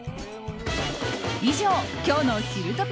以上、今日のひるトピ！